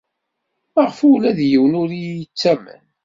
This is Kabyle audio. Maɣef ula d yiwen ur iyi-yettamen?